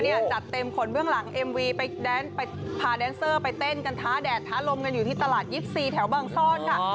จัดเต็มขนเบื้องหลังเอ็มวีไปพาแดนเซอร์ไปเต้นกันท้าแดดท้าลมกันอยู่ที่ตลาด๒๔แถวบางซ่อนค่ะ